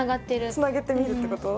つなげて見るってこと？